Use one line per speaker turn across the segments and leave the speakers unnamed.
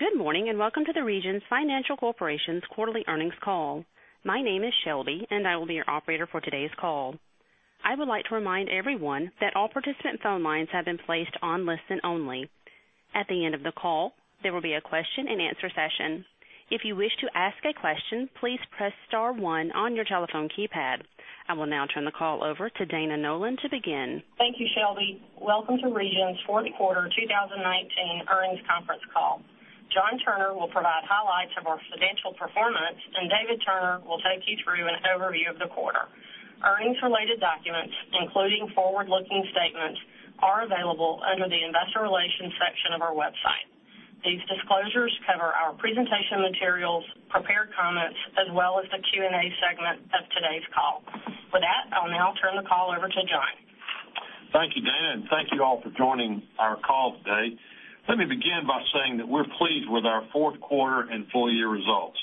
Good morning, welcome to the Regions Financial Corporation's quarterly earnings call. My name is Shelby, and I will be your operator for today's call. I would like to remind everyone that all participant phone lines have been placed on listen only. At the end of the call, there will be a question and answer session. If you wish to ask a question, please press star one on your telephone keypad. I will now turn the call over to Dana Nolan to begin.
Thank you, Shelby. Welcome to Regions' fourth quarter 2019 earnings conference call. John Turner will provide highlights of our financial performance, and David Turner will take you through an overview of the quarter. Earnings-related documents, including forward-looking statements, are available under the investor relations section of our website. These disclosures cover our presentation materials, prepared comments, as well as the Q&A segment of today's call. With that, I'll now turn the call over to John.
Thank you, Dana, and thank you all for joining our call today. Let me begin by saying that we're pleased with our fourth quarter and full-year results.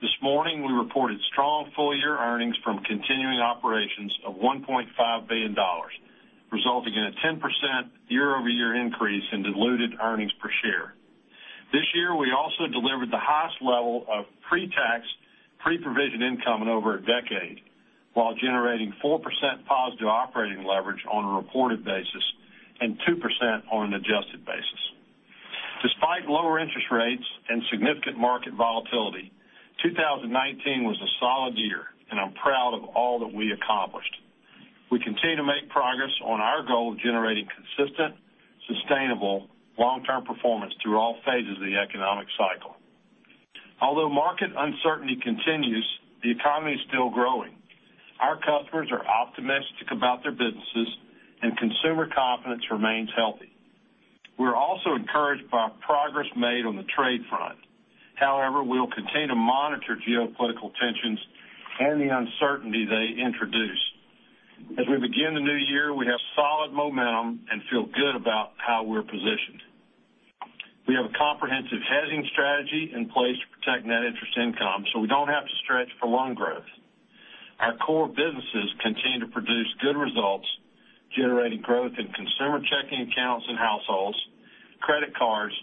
This morning, we reported strong full-year earnings from continuing operations of $1.5 billion, resulting in a 10% year-over-year increase in diluted earnings per share. This year, we also delivered the highest level of pre-tax, pre-provision income in over a decade, while generating 4% positive operating leverage on a reported basis and 2% on an adjusted basis. Despite lower interest rates and significant market volatility, 2019 was a solid year, and I'm proud of all that we accomplished. We continue to make progress on our goal of generating consistent, sustainable, long-term performance through all phases of the economic cycle. Although market uncertainty continues, the economy is still growing. Our customers are optimistic about their businesses, and consumer confidence remains healthy. We're also encouraged by progress made on the trade front. However, we will continue to monitor geopolitical tensions and the uncertainty they introduce. As we begin the new year, we have solid momentum and feel good about how we're positioned. We have a comprehensive hedging strategy in place to protect net interest income, so we don't have to stretch for loan growth. Our core businesses continue to produce good results, generating growth in consumer checking accounts and households, credit cards,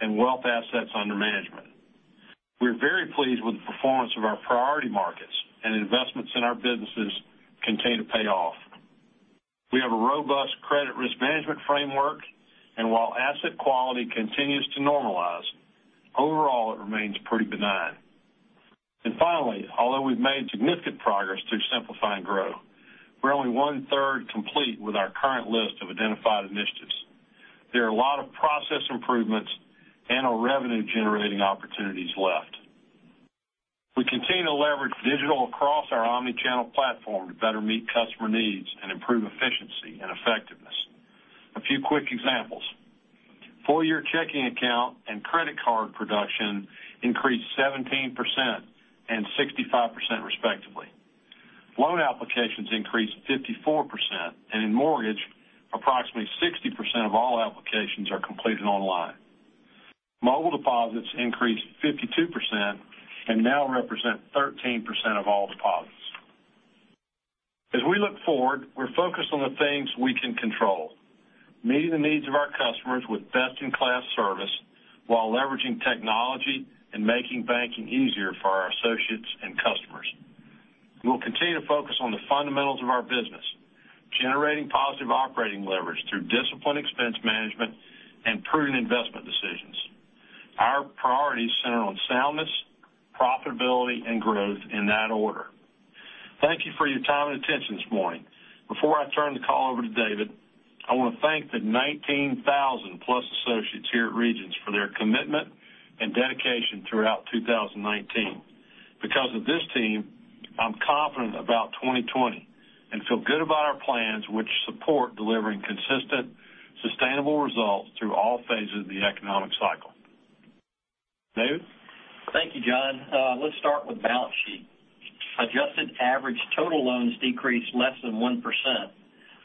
and wealth assets under management. We're very pleased with the performance of our priority markets, and investments in our businesses continue to pay off. We have a robust credit risk management framework, and while asset quality continues to normalize, overall, it remains pretty benign. Finally, although we've made significant progress through Simplify and Grow, we're only one-third complete with our current list of identified initiatives. There are a lot of process improvements and our revenue-generating opportunities left. We continue to leverage digital across our omni-channel platform to better meet customer needs and improve efficiency and effectiveness. A few quick examples. Full year checking account and credit card production increased 17% and 65%, respectively. Loan applications increased 54%, and in mortgage, approximately 60% of all applications are completed online. Mobile deposits increased 52% and now represent 13% of all deposits. As we look forward, we're focused on the things we can control, meeting the needs of our customers with best-in-class service while leveraging technology and making banking easier for our associates and customers. We will continue to focus on the fundamentals of our business, generating positive operating leverage through disciplined expense management and prudent investment decisions. Our priorities center on soundness, profitability, and growth in that order. Thank you for your time and attention this morning. Before I turn the call over to David, I want to thank the 19,000-plus associates here at Regions for their commitment and dedication throughout 2019. Because of this team, I'm confident about 2020 and feel good about our plans, which support delivering consistent, sustainable results through all phases of the economic cycle. Dave?
Thank you, John. Let's start with balance sheet. Adjusted average total loans decreased less than 1%,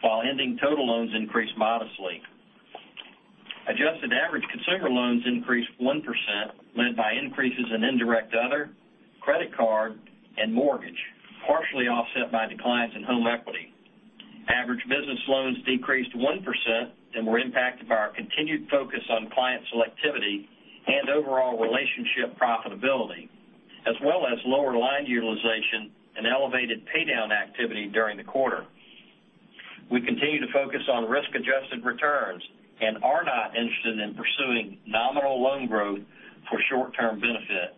while ending total loans increased modestly. Adjusted average consumer loans increased 1%, led by increases in indirect other, credit card, and mortgage, partially offset by declines in home equity. Average business loans decreased 1% and were impacted by our continued focus on client selectivity and overall relationship profitability, as well as lower line utilization and elevated paydown activity during the quarter. We continue to focus on risk-adjusted returns and are not interested in pursuing nominal loan growth for short-term benefit.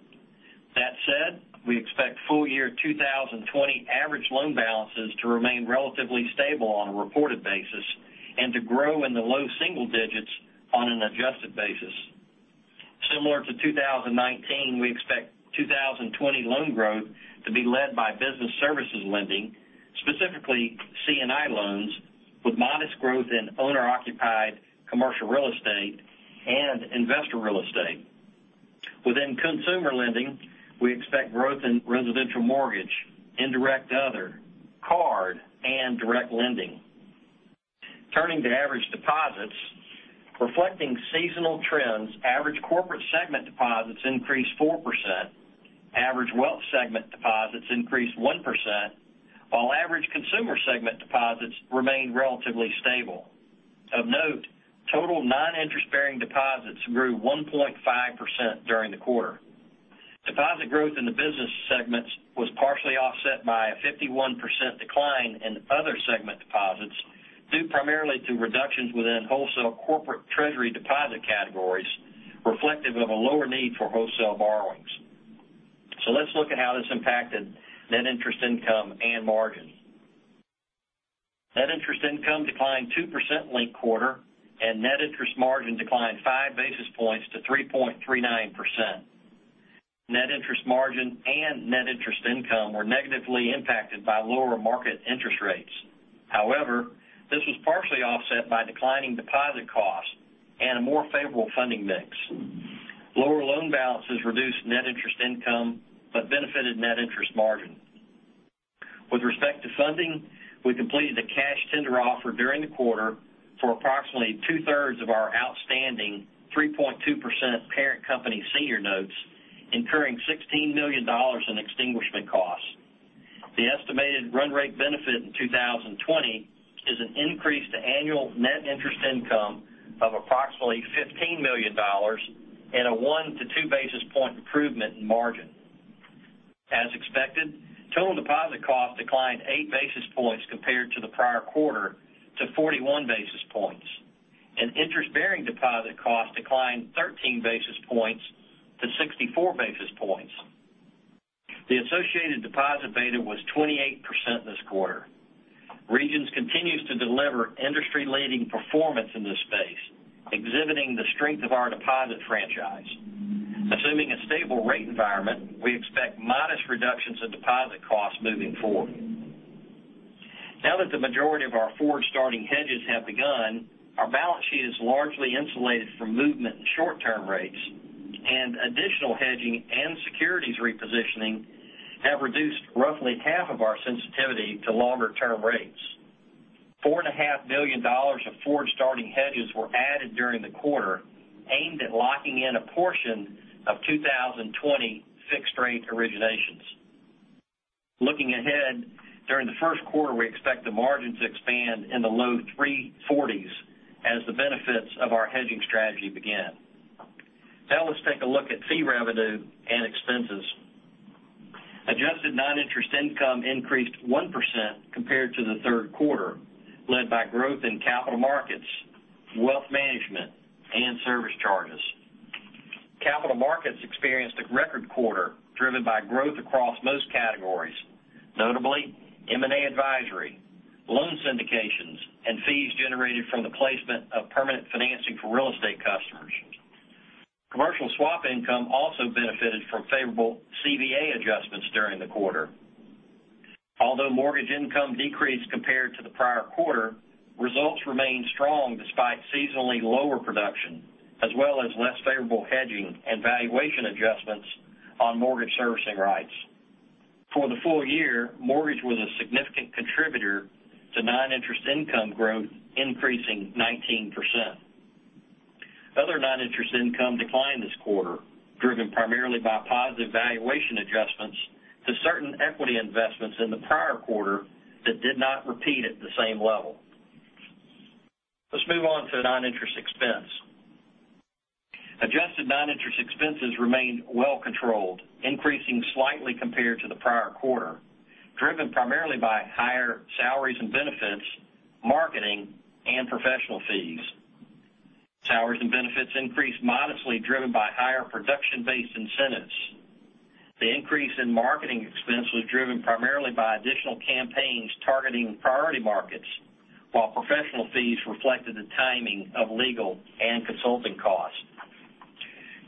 That said, we expect full year 2020 average loan balances to remain relatively stable on a reported basis and to grow in the low single digits on an adjusted basis. Similar to 2019, we expect 2020 loan growth to be led by business services lending, specifically C&I loans, with modest growth in owner-occupied commercial real estate and investor real estate. Within consumer lending, we expect growth in residential mortgage, indirect other, card, and direct lending. Turning to average deposits, reflecting seasonal trends, average Corporate segment deposits increased 4%, average Wealth segment deposits increased 1%. Deposits remained relatively stable. Of note, total non-interest-bearing deposits grew 1.5% during the quarter. Deposit growth in the business segments was partially offset by a 51% decline in other segment deposits, due primarily to reductions within wholesale corporate treasury deposit categories, reflective of a lower need for wholesale borrowings. Let's look at how this impacted net interest income and margin. Net interest income declined 2% linked quarter, and net interest margin declined 5 basis points to 3.39%. Net interest margin and net interest income were negatively impacted by lower market interest rates. However, this was partially offset by declining deposit costs and a more favorable funding mix. Lower loan balances reduced net interest income, but benefited net interest margin. With respect to funding, we completed the cash tender offer during the quarter for approximately two-thirds of our outstanding 3.2% parent company senior notes, incurring $16 million in extinguishment costs. The estimated run rate benefit in 2020 is an increase to annual net interest income of approximately $15 million and a one to two basis point improvement in margin. As expected, total deposit costs declined eight basis points compared to the prior quarter to 41 basis points, and interest-bearing deposit costs declined 13 basis points to 64 basis points. The associated deposit beta was 28% this quarter. Regions continues to deliver industry-leading performance in this space, exhibiting the strength of our deposit franchise. Assuming a stable rate environment, we expect modest reductions in deposit costs moving forward. Now that the majority of our forward starting hedges have begun, our balance sheet is largely insulated from movement in short-term rates, and additional hedging and securities repositioning have reduced roughly half of our sensitivity to longer-term rates. $4.5 million of forward-starting hedges were added during the quarter, aimed at locking in a portion of 2020 fixed-rate originations. Looking ahead, during the first quarter, we expect the margin to expand in the low 340s as the benefits of our hedging strategy begin. Let's take a look at fee revenue and expenses. Adjusted non-interest income increased 1% compared to the third quarter, led by growth in capital markets, wealth management, and service charges. Capital markets experienced a record quarter, driven by growth across most categories, notably M&A advisory, loan syndications, and fees generated from the placement of permanent financing for real estate customers. Commercial swap income also benefited from favorable CVA adjustments during the quarter. Although mortgage income decreased compared to the prior quarter, results remained strong despite seasonally lower production, as well as less favorable hedging and valuation adjustments on mortgage servicing rights. For the full year, mortgage was a significant contributor to non-interest income growth, increasing 19%. Other non-interest income declined this quarter, driven primarily by positive valuation adjustments to certain equity investments in the prior quarter that did not repeat at the same level. Let's move on to non-interest expense. Adjusted non-interest expenses remained well controlled, increasing slightly compared to the prior quarter, driven primarily by higher salaries and benefits, marketing, and professional fees. Salaries and benefits increased modestly, driven by higher production-based incentives. The increase in marketing expense was driven primarily by additional campaigns targeting priority markets, while professional fees reflected the timing of legal and consulting costs.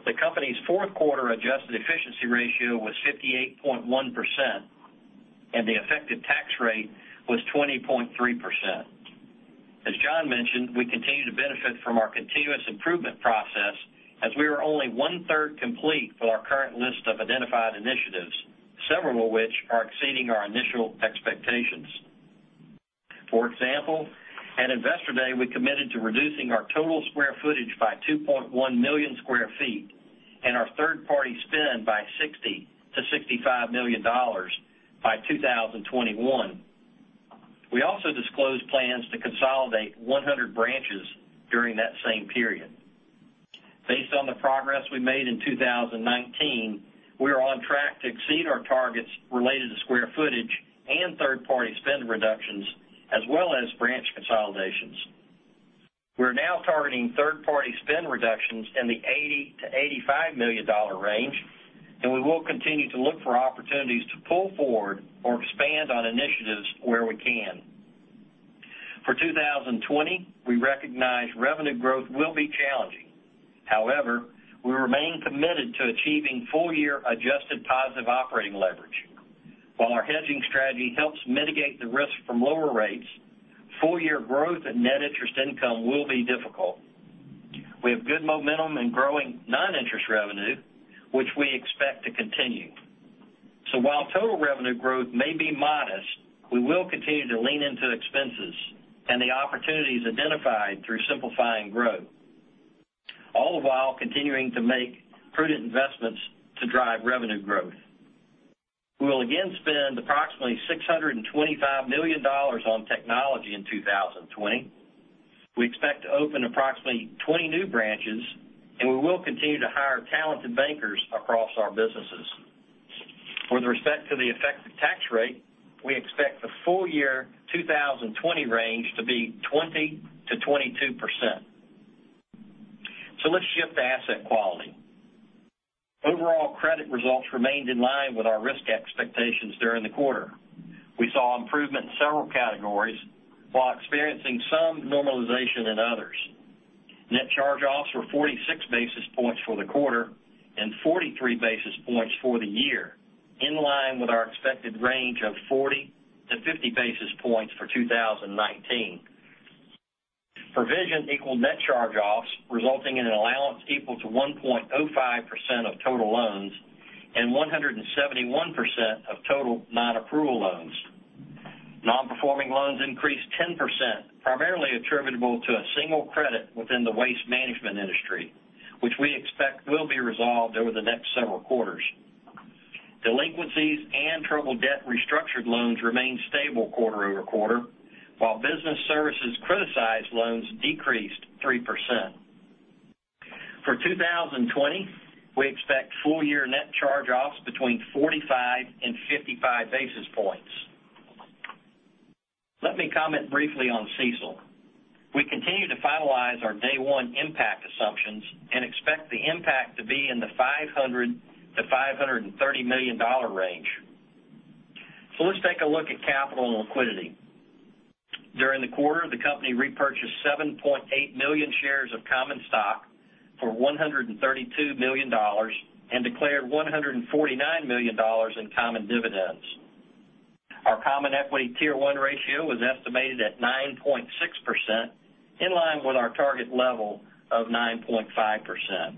The company's fourth quarter adjusted efficiency ratio was 58.1%, and the effective tax rate was 20.3%. As John mentioned, we continue to benefit from our continuous improvement process, as we are only one-third complete for our current list of identified initiatives, several of which are exceeding our initial expectations. For example, at Investor Day, we committed to reducing our total square footage by 2.1 million square feet and our third-party spend by $60 million to $65 million by 2021. We also disclosed plans to consolidate 100 branches during that same period. Based on the progress we made in 2019, we are on track to exceed our targets related to square footage and third-party spend reductions, as well as branch consolidations. We're now targeting third-party spend reductions in the $80 million to $85 million range, and we will continue to look for opportunities to pull forward or expand on initiatives where we can. For 2020, we recognize revenue growth will be challenging. However, we remain committed to achieving full-year adjusted positive operating leverage. While our hedging strategy helps mitigate the risk from lower rates, full-year growth and net interest income will be difficult. We have good momentum in growing non-interest revenue, which we expect to continue. While total revenue growth may be modest, we will continue to lean into expenses and the opportunities identified through Simplify and Grow. All the while continuing to make prudent investments to drive revenue growth. We will again spend approximately $625 million on technology in 2020. We expect to open approximately 20 new branches, and we will continue to hire talented bankers across our businesses. With respect to the effective tax rate, we expect the full year 2020 range to be 20%-22%. Let's shift to asset quality. Overall credit results remained in line with our risk expectations during the quarter. We saw improvement in several categories while experiencing some normalization in others. Net charge-offs were 46 basis points for the quarter and 43 basis points for the year, in line with our expected range of 40 to 50 basis points for 2019. Provision equaled net charge-offs, resulting in an allowance equal to 1.05% of total loans and 171% of total non-approval loans. Non-performing loans increased 10%, primarily attributable to one credit within the waste management industry, which we expect will be resolved over the next several quarters. Delinquencies and troubled debt restructured loans remained stable quarter-over-quarter, while business services criticized loans decreased 3%. For 2020, we expect full year net charge-offs between 45 and 55 basis points. Let me comment briefly on CECL. We continue to finalize our Day-One impact assumptions and expect the impact to be in the $500 million-$530 million range. Let's take a look at capital and liquidity. During the quarter, the company repurchased 7.8 million shares of common stock for $132 million and declared $149 million in common dividends. Our Common Equity Tier 1 ratio was estimated at 9.6%, in line with our target level of 9.5%.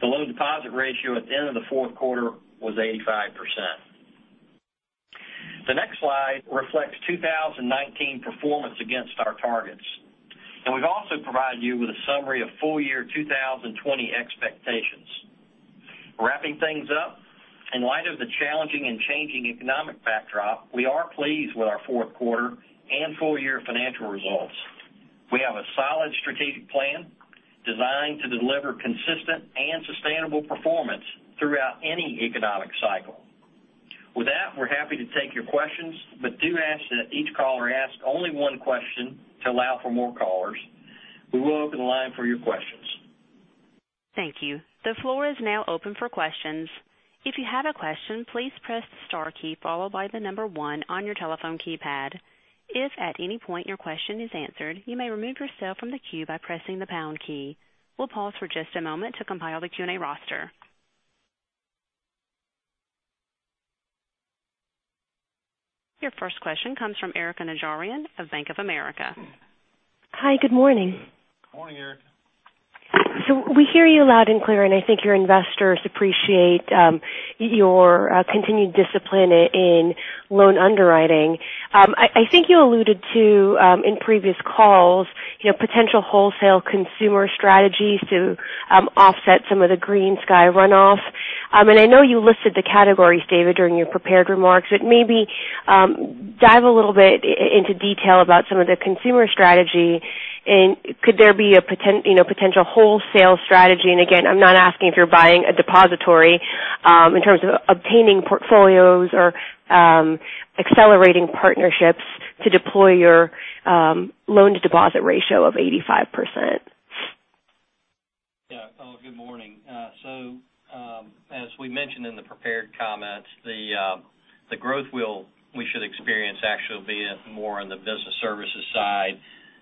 The loan deposit ratio at the end of the fourth quarter was 85%. The next slide reflects 2019 performance against our targets, and we've also provided you with a summary of full year 2020 expectations. Wrapping things up, in light of the challenging and changing economic backdrop, we are pleased with our fourth quarter and full year financial results. We have a solid strategic plan designed to deliver consistent and sustainable performance throughout any economic cycle. With that, we're happy to take your questions, but do ask that each caller ask only one question to allow for more callers. We will open the line for your questions.
Thank you. The floor is now open for questions. If you have a question, please press star key followed by the number 1 on your telephone keypad. If at any point your question is answered, you may remove yourself from the queue by pressing the pound key. We'll pause for just a moment to compile the Q&A roster. Your first question comes from Erika Najarian of Bank of America.
Hi, good morning.
Morning, Erika.
We hear you loud and clear, and I think your investors appreciate your continued discipline in loan underwriting. I think you alluded to, in previous calls, your potential wholesale consumer strategy to offset some of the GreenSky runoff. I know you listed the categories, David, during your prepared remarks. Maybe dive a little bit into detail about some of the consumer strategy, and could there be a potential wholesale strategy? Again, I'm not asking if you're buying a depository in terms of obtaining portfolios or accelerating partnerships to deploy your loan-to-deposit ratio of 85%.
Well, good morning. As we mentioned in the prepared comments, the growth we should experience actually will be more on the business services side.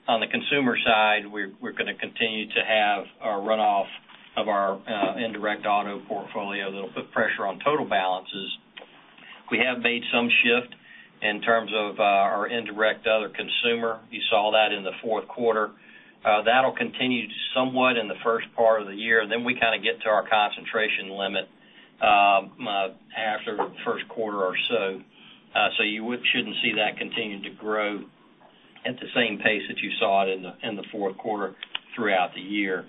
On the consumer side, we're going to continue to have a runoff of our indirect auto portfolio that'll put pressure on total balances. We have made some shift in terms of our indirect other consumer. You saw that in the fourth quarter. That'll continue somewhat in the first part of the year. We kind of get to our concentration limit after the first quarter or so. You shouldn't see that continuing to grow at the same pace that you saw it in the fourth quarter throughout the year.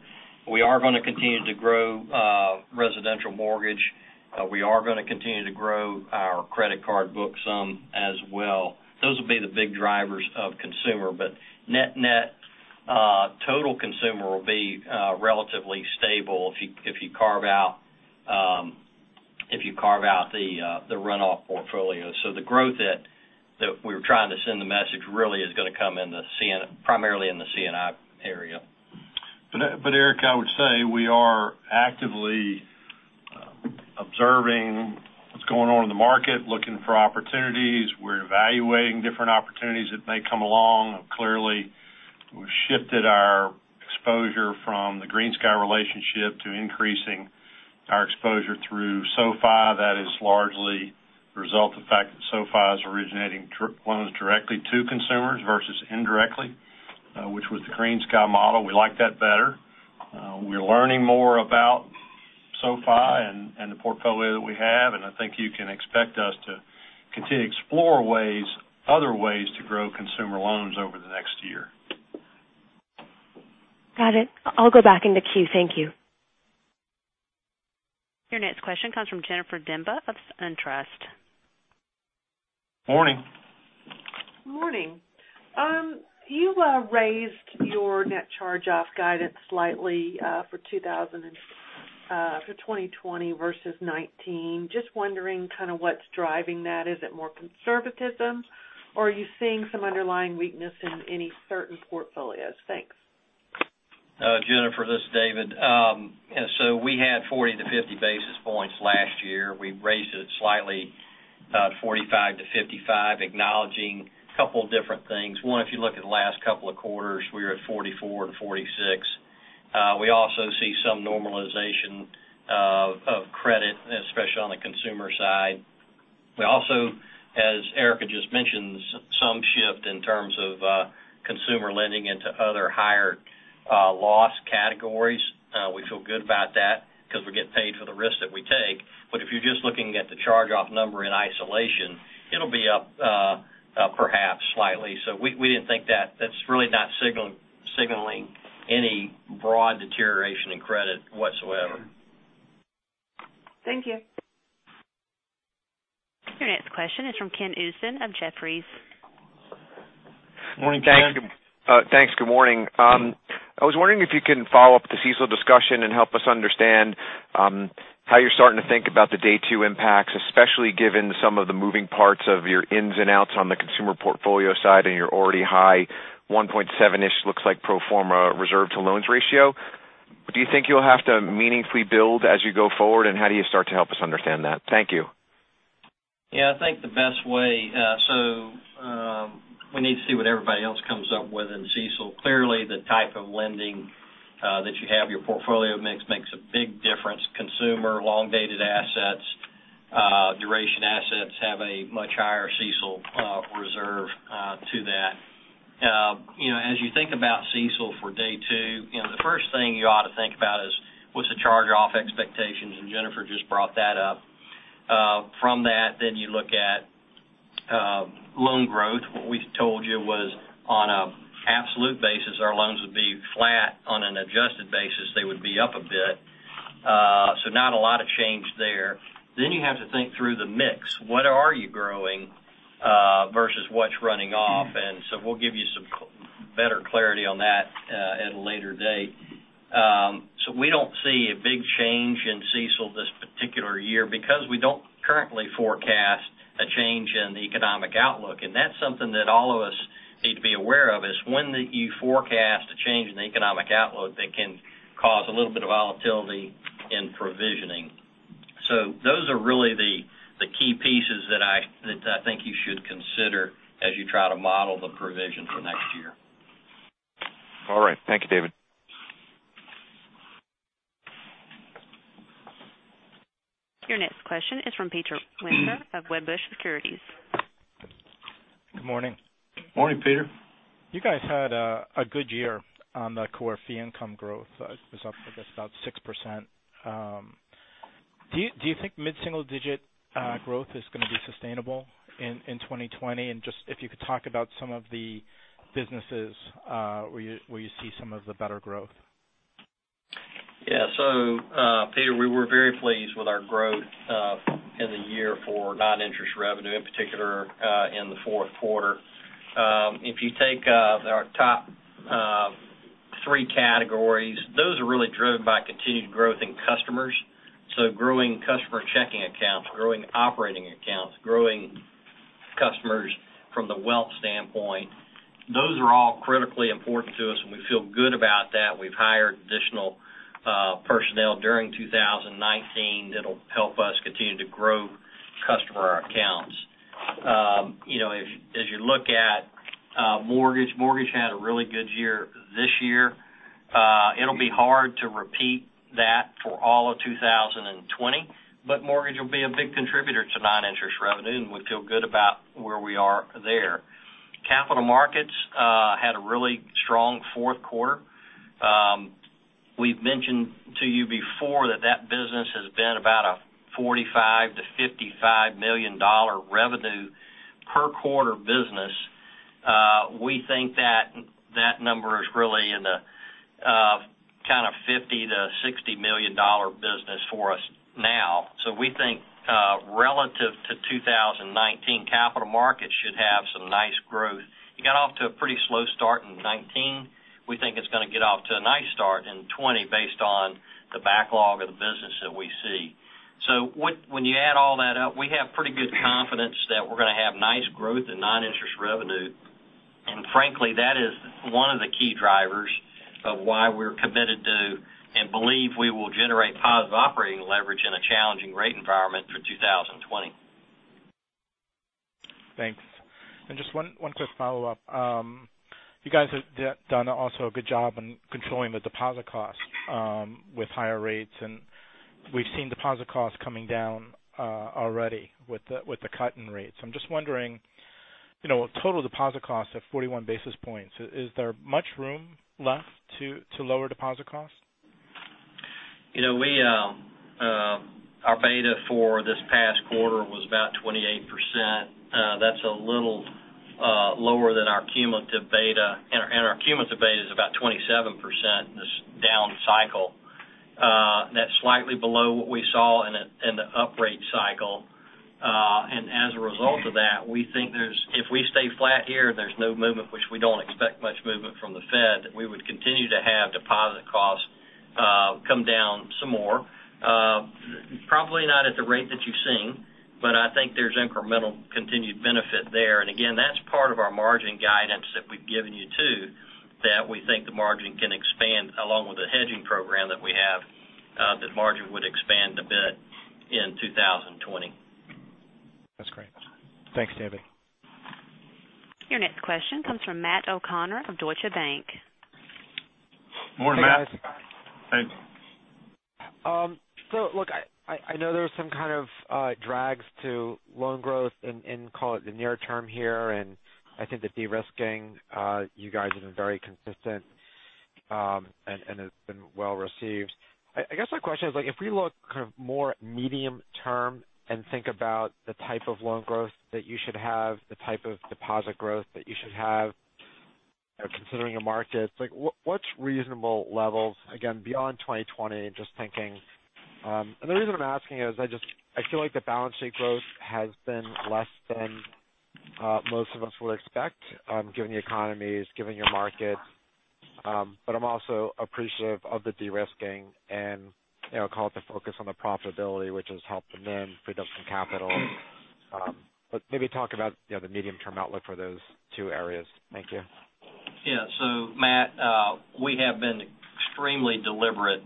We are going to continue to grow residential mortgage. We are going to continue to grow our credit card book some as well. Those will be the big drivers of consumer, but net-net, total consumer will be relatively stable if you carve out the runoff portfolio. The growth that we were trying to send the message really is going to come primarily in the C&I area.
Erika, I would say we are actively observing what's going on in the market, looking for opportunities. We're evaluating different opportunities that may come along. Clearly, we've shifted our exposure from the GreenSky relationship to increasing our exposure through SoFi. That is largely the result of the fact that SoFi is originating loans directly to consumers versus indirectly which was the GreenSky model. We like that better. We're learning more about SoFi and the portfolio that we have, and I think you can expect us to continue to explore other ways to grow consumer loans over the next year.
Got it. I'll go back in the queue. Thank you.
Your next question comes from Jennifer Demba of SunTrust.
Morning.
Morning. You raised your net charge-off guidance slightly for 2020 versus 2019. Just wondering what's driving that? Is it more conservatism, or are you seeing some underlying weakness in any certain portfolios? Thanks.
Jennifer, this is David. We had 40-50 basis points last year. We raised it slightly, about 45-55, acknowledging a couple of different things. One, if you look at the last couple of quarters, we were at 44 and 46. We also see some normalization of credit, especially on the consumer side. We also, as Erika just mentioned, some shift in terms of consumer lending into other higher loss categories. We feel good about that because we're getting paid for the risk that we take. If you're just looking at the charge-off number in isolation, it'll be up perhaps slightly. We didn't think that's really not signaling any broad deterioration in credit whatsoever.
Thank you.
Your next question is from Ken Usdin of Jefferies.
Morning, Ken.
Thanks. Good morning. I was wondering if you can follow up the CECL discussion and help us understand how you're starting to think about the Day 2 impacts, especially given some of the moving parts of your ins and outs on the consumer portfolio side and your already high 1.7-ish, looks like, pro forma reserve to loans ratio. Do you think you'll have to meaningfully build as you go forward, and how do you start to help us understand that? Thank you.
Yeah, I think the best way we need to see what everybody else comes up with in CECL. Clearly, the type of lending that you have, your portfolio mix makes a big difference. Consumer long-dated assets, duration assets have a much higher CECL reserve to that. As you think about CECL for Day two, the first thing you ought to think about is what's the charge-off expectations, Jennifer just brought that up. From that, you look at loan growth. What we told you was on an absolute basis, our loans would be flat. On an adjusted basis, they would be up a bit. Not a lot of change there. You have to think through the mix. What are you growing versus what's running off? We'll give you some better clarity on that at a later date. We don't see a big change in CECL this particular year because we don't currently forecast a change in the economic outlook. That's something that all of us need to be aware of, is when you forecast a change in the economic outlook, that can cause a little bit of volatility in provisioning. Those are really the key pieces that I think you should consider as you try to model the provision for next year.
All right. Thank you, David.
Your next question is from Peter Winter of Wedbush Securities.
Good morning.
Morning, Peter.
You guys had a good year on the core fee income growth. It was up, I guess, about 6%. Do you think mid-single digit growth is going to be sustainable in 2020? Just if you could talk about some of the businesses where you see some of the better growth.
Yeah. Peter, we were very pleased with our growth in the year for non-interest revenue, in particular, in the fourth quarter. If you take our top three categories, those are really driven by continued growth in customers. Growing customer checking accounts, growing operating accounts, growing customers from the wealth standpoint, those are all critically important to us, and we feel good about that. We've hired additional personnel during 2019 that'll help us continue to grow customer accounts. As you look at mortgage had a really good year this year. It'll be hard to repeat that for all of 2020, but mortgage will be a big contributor to non-interest revenue, and we feel good about where we are there. Capital markets had a really strong fourth quarter. We've mentioned to you before that that business has been about a $45 million-$55 million revenue per quarter business. We think that number is really in the kind of $50 million-$60 million business for us now. We think relative to 2019, capital markets should have some nice growth. It got off to a pretty slow start in 2019. We think it's going to get off to a nice start in 2020 based on the backlog of the business that we see. When you add all that up, we have pretty good confidence that we're going to have nice growth in non-interest revenue. Frankly, that is one of the key drivers of why we're committed to and believe we will generate positive operating leverage in a challenging rate environment for 2020.
Thanks. Just one quick follow-up. You guys have done also a good job in controlling the deposit costs with higher rates, and we've seen deposit costs coming down already with the cut in rates. I'm just wondering. Total deposit costs of 41 basis points. Is there much room left to lower deposit costs?
Our beta for this past quarter was about 28%. That's a little lower than our cumulative beta. Our cumulative beta is about 27% this down cycle. That's slightly below what we saw in the uprate cycle. As a result of that, we think if we stay flat here, there's no movement, which we don't expect much movement from the Fed, we would continue to have deposit costs come down some more. Probably not at the rate that you've seen, but I think there's incremental continued benefit there. Again, that's part of our margin guidance that we've given you too, that we think the margin can expand along with the hedging program that we have, that margin would expand a bit in 2020.
That's great. Thanks, David.
Your next question comes from Matt O'Connor of Deutsche Bank.
Morning, Matt.
Hey, guys. Thanks. Look, I know there are some kind of drags to loan growth in, call it, the near term here, and I think the de-risking, you guys have been very consistent and it's been well-received. I guess my question is, if we look more medium term and think about the type of loan growth that you should have, the type of deposit growth that you should have, considering the markets, what's reasonable levels, again, beyond 2020, just thinking? The reason I'm asking is I feel like the balance sheet growth has been less than most of us would expect, given the economies, given your markets. I'm also appreciative of the de-risking and, call it, the focus on the profitability, which has helped amend, freed up some capital. Maybe talk about the medium term outlook for those two areas. Thank you.
Yeah. Matt, we have been extremely deliberate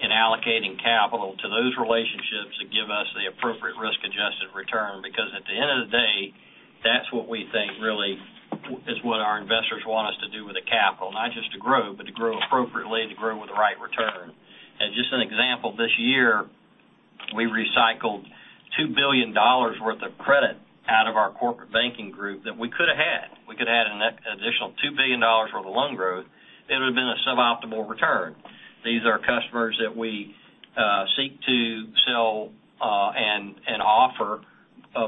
in allocating capital to those relationships that give us the appropriate risk-adjusted return, because at the end of the day, that's what we think really is what our investors want us to do with the capital, not just to grow, but to grow appropriately and to grow with the right return. As just an example, this year, we recycled $2 billion worth of credit out of our corporate banking group that we could have had. We could have had an additional $2 billion worth of loan growth, it would have been a suboptimal return. These are customers that we seek to sell and offer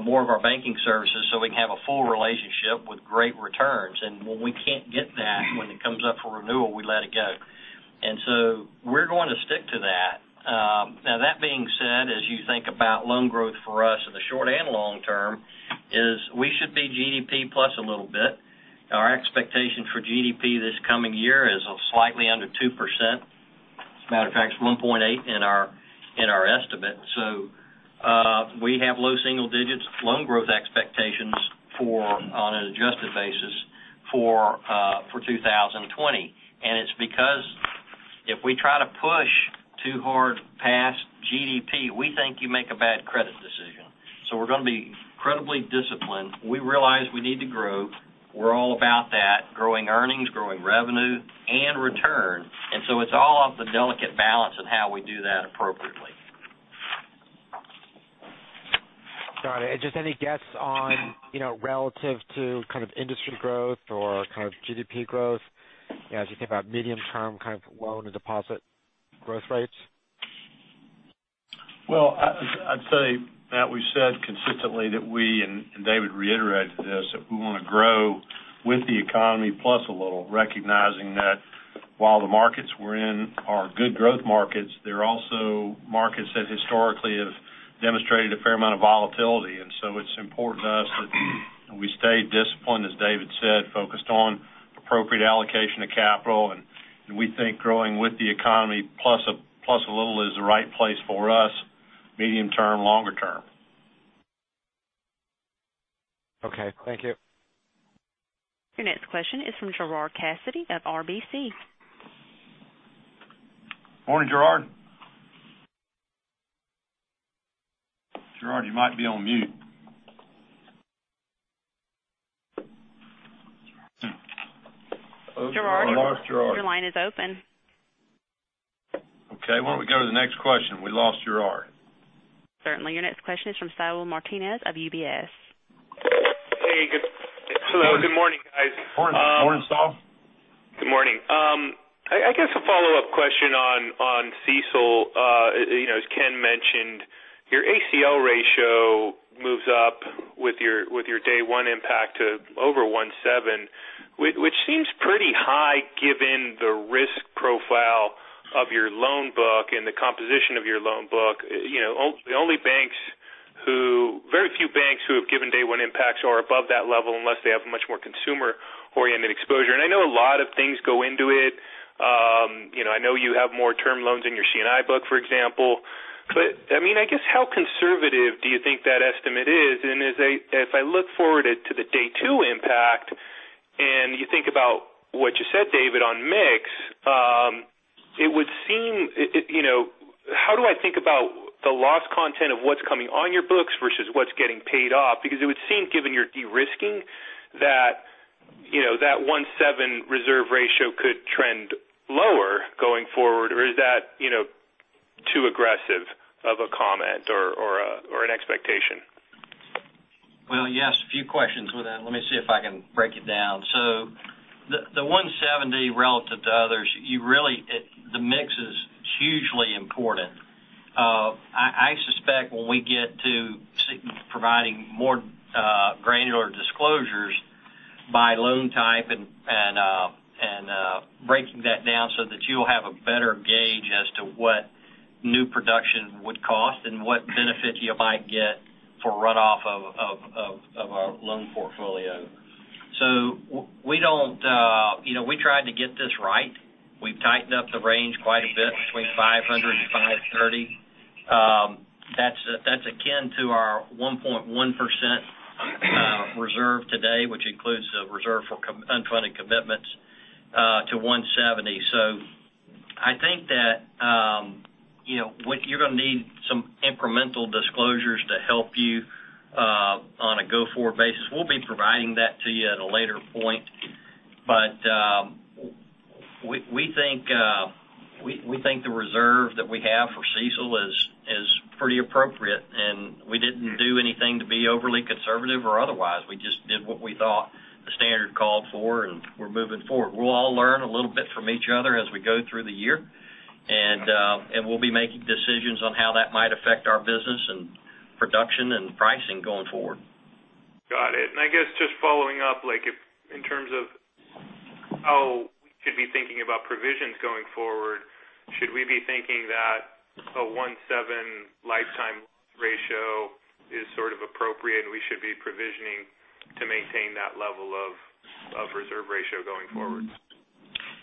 more of our banking services so we can have a full relationship with great returns, when we can't get that, when it comes up for renewal, we let it go. We're going to stick to that. Now that being said, as you think about loan growth for us in the short and long term, is we should be GDP plus a little bit. Our expectation for GDP this coming year is slightly under 2%. As a matter of fact, it's 1.8 in our estimate. We have low single digits loan growth expectations on an adjusted basis for 2020. It's because if we try to push too hard past GDP, we think you make a bad credit decision. We're going to be incredibly disciplined. We realize we need to grow. We're all about that, growing earnings, growing revenue, and return. It's all off the delicate balance of how we do that appropriately.
Got it. Just any guess on relative to industry growth or GDP growth as you think about medium term loan to deposit growth rates?
Well, I'd say, Matt, we've said consistently that we, and David reiterated this, that we want to grow with the economy plus a little, recognizing that while the markets we're in are good growth markets, they're also markets that historically have demonstrated a fair amount of volatility. It's important to us that we stay disciplined, as David said, focused on appropriate allocation of capital, and we think growing with the economy plus a little is the right place for us, medium term, longer term.
Okay. Thank you.
Your next question is from Gerard Cassidy of RBC.
Morning, Gerard. Gerard, you might be on mute.
Gerard-
We lost Gerard.
Your line is open.
Why don't we go to the next question? We lost Gerard.
Certainly. Your next question is from Saul Martinez of UBS.
Hey. Hello, good morning, guys.
Morning. Morning, Saul.
Good morning. I guess a follow-up question on CECL. As Ken mentioned, your ACL ratio moves up with your day one impact to over 1.7, which seems pretty high given the risk profile of your loan book and the composition of your loan book. Very few banks who have given day one impacts are above that level unless they have a much more consumer-oriented exposure. I know a lot of things go into it. I know you have more term loans in your C&I book, for example. I guess, how conservative do you think that estimate is? If I look forward to the day two impact, and you think about what you said, David, on mix, how do I think about the loss content of what's coming on your books versus what's getting paid off? It would seem, given your de-risking, that 1.7 reserve ratio could trend lower going forward. Is that? of a comment or an expectation.
You asked a few questions with that. Let me see if I can break it down. The 1.70 relative to others, the mix is hugely important. I suspect when we get to providing more granular disclosures by loan type and breaking that down so that you'll have a better gauge as to what new production would cost and what benefits you might get for runoff of our loan portfolio. We tried to get this right. We've tightened up the range quite a bit between 500 and 530. That's akin to our 1.1% reserve today, which includes the reserve for unfunded commitments to 170. I think that you're going to need some incremental disclosures to help you on a go-forward basis. We'll be providing that to you at a later point. We think the reserve that we have for CECL is pretty appropriate, and we didn't do anything to be overly conservative or otherwise. We just did what we thought the standard called for, and we're moving forward. We'll all learn a little bit from each other as we go through the year, and we'll be making decisions on how that might affect our business in production and pricing going forward.
Got it. I guess just following up, if in terms of how we should be thinking about provisions going forward, should we be thinking that a 1.7 lifetime ratio is sort of appropriate, and we should be provisioning to maintain that level of reserve ratio going forward?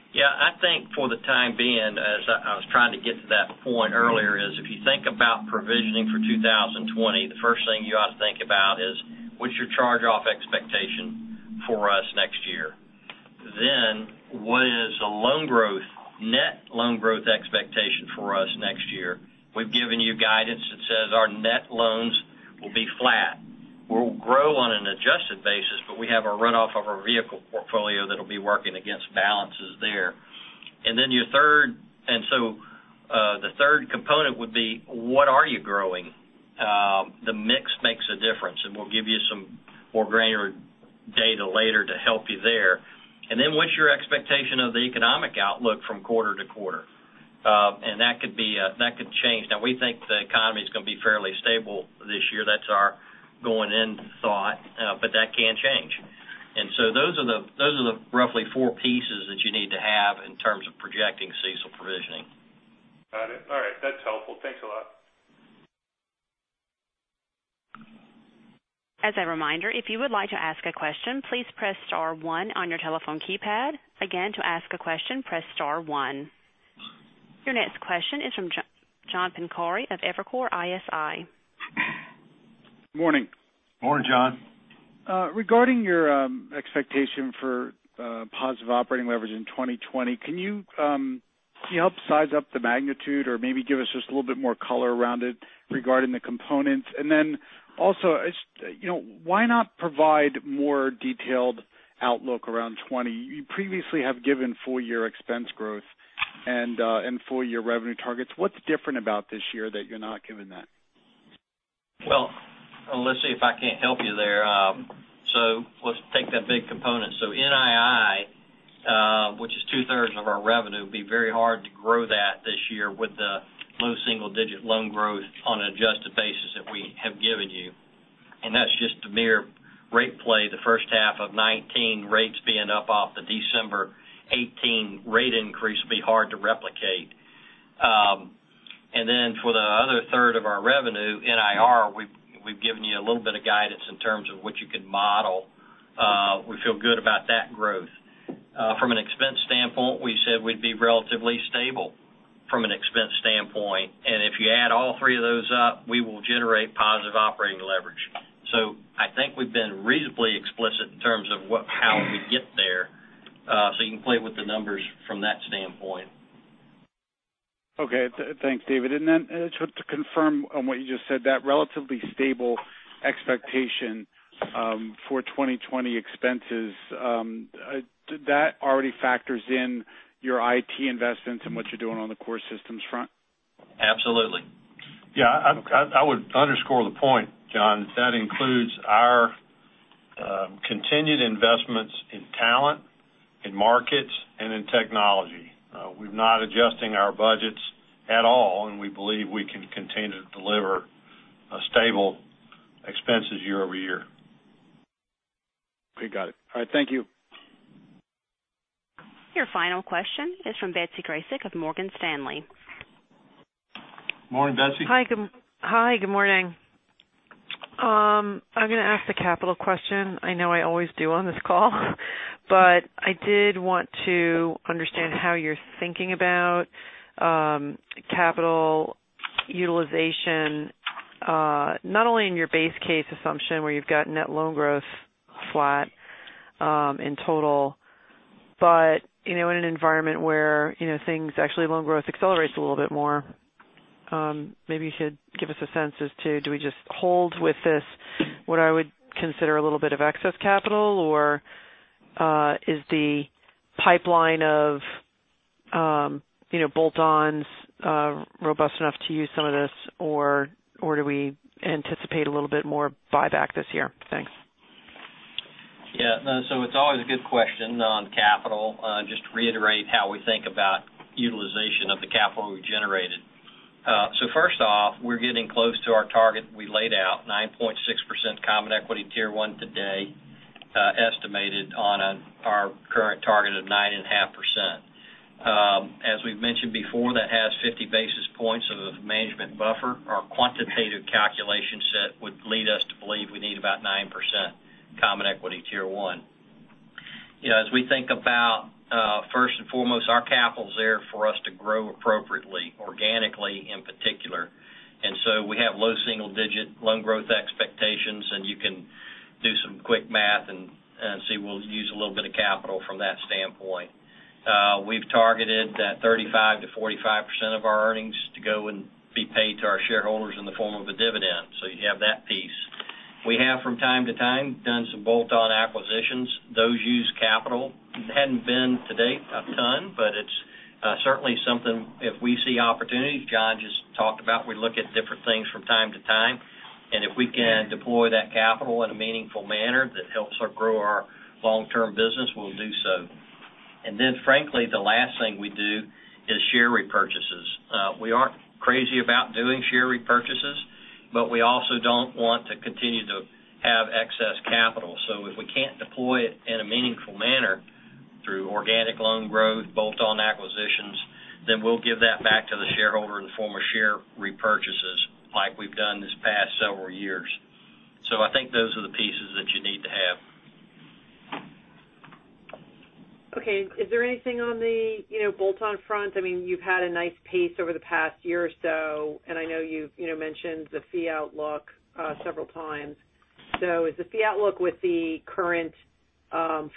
Yeah, I think for the time being, as I was trying to get to that point earlier, is if you think about provisioning for 2020, the first thing you ought to think about is what's your charge-off expectation for us next year. What is a loan growth, net loan growth expectation for us next year? We've given you guidance that says our net loans will be flat. We'll grow on an adjusted basis, but we have a runoff of our vehicle portfolio that'll be working against balances there. The third component would be, what are you growing? The mix makes a difference, and we'll give you some more granular data later to help you there. What's your expectation of the economic outlook from quarter to quarter? That could change. Now, we think the economy's going to be fairly stable this year. That's our going-in thought, but that can change. Those are the roughly four pieces that you need to have in terms of projecting CECL provisioning.
Got it. All right. That's helpful. Thanks a lot.
As a reminder, if you would like to ask a question, please press star one on your telephone keypad. Again, to ask a question, press star one. Your next question is from John Pancari of Evercore ISI.
Morning. Morning, John.
Regarding your expectation for positive operating leverage in 2020, can you help size up the magnitude or maybe give us just a little bit more color around it regarding the components? Also, why not provide more detailed outlook around 2020? You previously have given full-year expense growth and full-year revenue targets. What's different about this year that you're not giving that?
Let's see if I can't help you there. Let's take that big component. NII, which is two-thirds of our revenue, would be very hard to grow that this year with the low single-digit loan growth on an adjusted basis that we have given you. That's just the mere rate play the first half of 2019, rates being up off the December 2018 rate increase will be hard to replicate. Then for the other third of our revenue, NIR, we've given you a little bit of guidance in terms of what you can model. We feel good about that growth. From an expense standpoint, we said we'd be relatively stable from an expense standpoint. If you add all three of those up, we will generate positive operating leverage. I think we've been reasonably explicit in terms of how we get there, you can play with the numbers from that standpoint.
Okay. Thanks, David. Just to confirm on what you just said, that relatively stable expectation for 2020 expenses, that already factors in your IT investments and what you're doing on the core systems front?
Absolutely.
Yeah, I would underscore the point, John, that includes our continued investments in talent, in markets, and in technology. We're not adjusting our budgets at all, and we believe we can continue to deliver stable expenses year-over-year.
Okay. Got it. All right. Thank you.
Your final question is from Betsy Graseck of Morgan Stanley.
Morning, Betsy.
Hi. Good morning. I'm going to ask the capital question. I know I always do on this call. I did want to understand how you're thinking about capital utilization not only in your base case assumption, where you've got net loan growth flat in total but in an environment where things actually loan growth accelerates a little bit more. Maybe you could give us a sense as to do we just hold with this, what I would consider a little bit of excess capital or? Is the pipeline of bolt-ons robust enough to use some of this, or do we anticipate a little bit more buyback this year? Thanks.
Yeah. It's always a good question on capital. Just to reiterate how we think about utilization of the capital we've generated. First off, we're getting close to our target we laid out, 9.6% Common Equity Tier 1 today, estimated on our current target of 9.5%. As we've mentioned before, that has 50 basis points of management buffer. Our quantitative calculation set would lead us to believe we need about 9% Common Equity Tier 1. As we think about first and foremost, our capital's there for us to grow appropriately, organically in particular. We have low single-digit loan growth expectations, and you can do some quick math and see we'll use a little bit of capital from that standpoint. We've targeted that 35%-45% of our earnings to go and be paid to our shareholders in the form of a dividend. You have that piece. We have from time to time, done some bolt-on acquisitions. Those use capital. It hadn't been to date a ton, but it's certainly something if we see opportunities, John just talked about, we look at different things from time to time, and if we can deploy that capital in a meaningful manner that helps grow our long-term business, we'll do so. Frankly, the last thing we do is share repurchases. We aren't crazy about doing share repurchases, but we also don't want to continue to have excess capital. If we can't deploy it in a meaningful manner through organic loan growth, bolt-on acquisitions, then we'll give that back to the shareholder in the form of share repurchases like we've done these past several years. I think those are the pieces that you need to have.
Okay. Is there anything on the bolt-on front? You've had a nice pace over the past year or so, and I know you've mentioned the fee outlook several times. Is the fee outlook with the current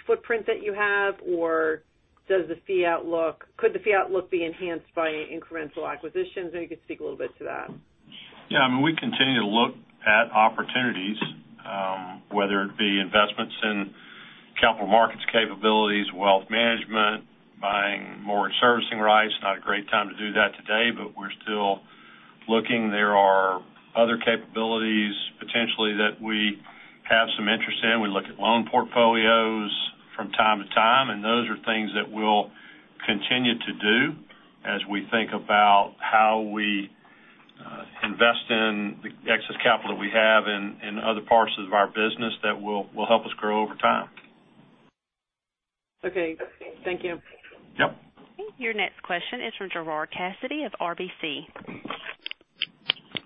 footprint that you have, or could the fee outlook be enhanced by incremental acquisitions? If you could speak a little bit to that.
Yeah, we continue to look at opportunities, whether it be investments in capital markets capabilities, wealth management, buying more servicing rights. Not a great time to do that today, but we're still looking. There are other capabilities potentially that we have some interest in. We look at loan portfolios from time to time, and those are things that we'll continue to do as we think about how we invest in the excess capital that we have in other parts of our business that will help us grow over time.
Okay. Thank you.
Yep.
Your next question is from Gerard Cassidy of RBC.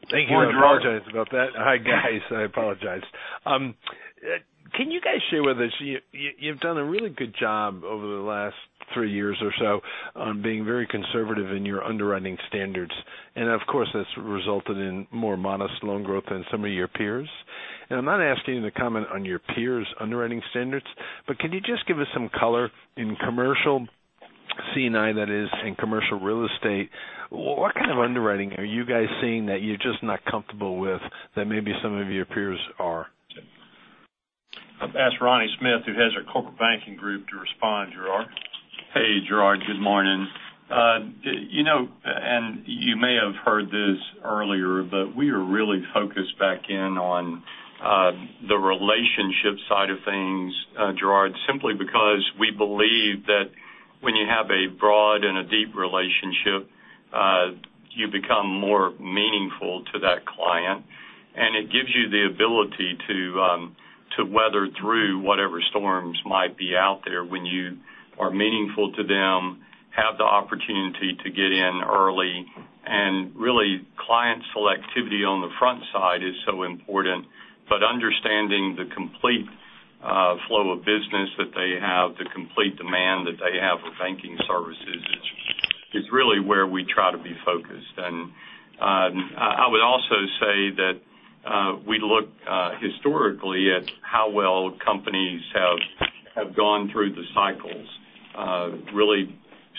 Thank you. I apologize about that. Hi, guys. I apologize. Can you guys share with us, you've done a really good job over the last three years or so on being very conservative in your underwriting standards, and of course, that's resulted in more modest loan growth than some of your peers. I'm not asking you to comment on your peers' underwriting standards, but can you just give us some color in commercial C&I, that is, in commercial real estate, what kind of underwriting are you guys seeing that you're just not comfortable with that maybe some of your peers are?
I'll ask Ronnie Smith, who heads our Corporate Banking Group to respond, Gerard.
Hey, Gerard, good morning. You may have heard this earlier, but we are really focused back in on the relationship side of things, Gerard, simply because we believe that when you have a broad and a deep relationship, you become more meaningful to that client, and it gives you the ability to weather through whatever storms might be out there when you are meaningful to them, have the opportunity to get in early. Really, client selectivity on the front side is so important, but understanding the complete flow of business that they have, the complete demand that they have for banking services is really where we try to be focused. I would also say that we look historically at how well companies have gone through the cycles, really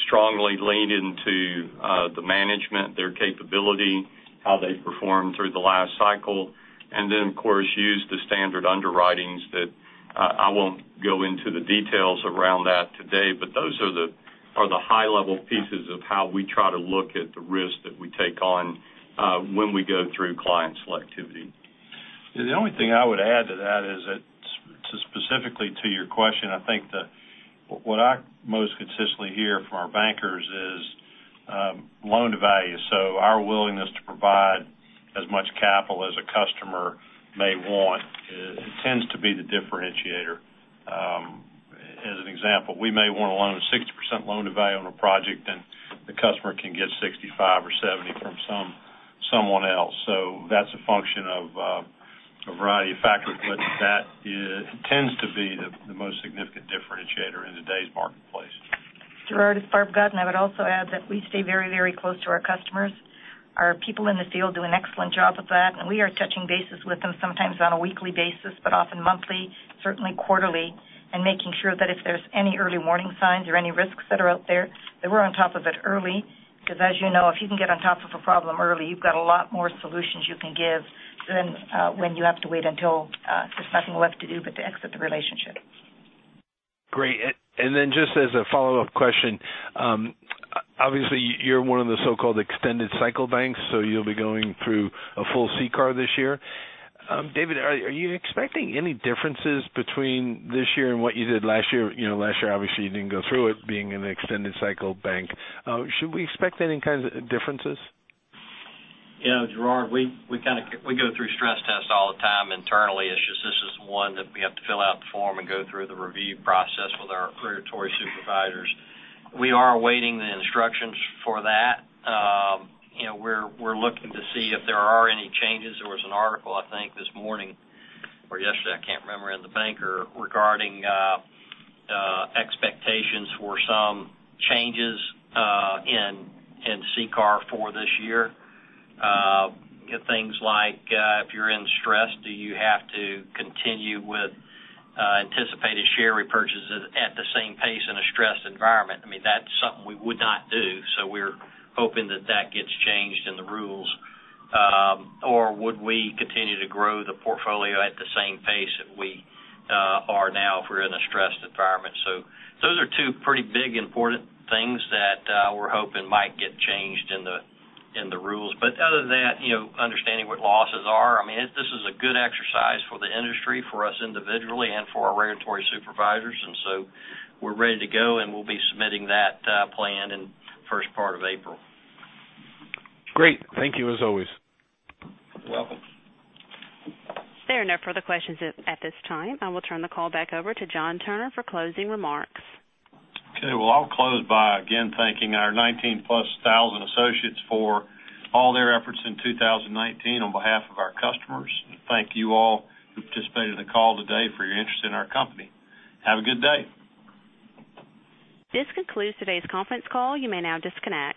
strongly lean into the management, their capability, how they've performed through the last cycle. Of course, use the standard underwritings that I won't go into the details around that today, but those are the high-level pieces of how we try to look at the risk that we take on when we go through client selectivity.
The only thing I would add to that is that specifically to your question, I think that what I most consistently hear from our bankers is loan-to-value. Our willingness to provide as much capital as a customer may want tends to be the differentiator. As an example, we may want to loan a 60% loan-to-value on a project, and the customer can get 65 or 70 from someone else. That's a function of a variety of factors, but that tends to be the most significant differentiator in today's marketplace.
Gerard, it's Barb Godin. I would also add that we stay very, very close to our customers. Our people in the field do an excellent job of that, and we are touching bases with them sometimes on a weekly basis, but often monthly, certainly quarterly, and making sure that if there's any early warning signs or any risks that are out there, that we're on top of it early. As you know, if you can get on top of a problem early, you've got a lot more solutions you can give than when you have to wait until there's nothing left to do but to exit the relationship.
Great. Just as a follow-up question, obviously, you're one of the so-called extended cycle banks, so you'll be going through a full CCAR this year. David, are you expecting any differences between this year and what you did last year? Last year, obviously, you didn't go through it, being an extended cycle bank. Should we expect any kinds of differences?
Yeah, Gerard, we go through stress tests all the time internally. It's just this is one that we have to fill out the form and go through the review process with our regulatory supervisors. We are awaiting the instructions for that. We're looking to see if there are any changes. There was an article, I think, this morning or yesterday, I can't remember, in "The Banker" regarding expectations for some changes in CCAR for this year. Things like if you're in stress, do you have to continue with anticipated share repurchases at the same pace in a stressed environment? That's something we would not do. We're hoping that that gets changed in the rules. Would we continue to grow the portfolio at the same pace that we are now if we're in a stressed environment? Those are two pretty big important things that we're hoping might get changed in the rules. Other than that, understanding what losses are, this is a good exercise for the industry, for us individually, and for our regulatory supervisors. We're ready to go, and we'll be submitting that plan in first part of April.
Great. Thank you as always.
You're welcome.
There are no further questions at this time. I will turn the call back over to John Turner for closing remarks.
Okay. Well, I'll close by, again, thanking our 19-plus thousand associates for all their efforts in 2019 on behalf of our customers. Thank you all who participated in the call today for your interest in our company. Have a good day.
This concludes today's conference call. You may now disconnect.